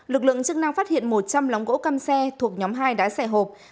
lực lượng chức năng phát hiện một trăm linh lóng gỗ cam xe thuộc nhóm hai đá xẻ hộp